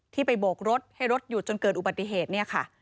ที่ไปโบกรถให้รถหยุดจนเกิดอุบัติเหตุเนี่ยค่ะ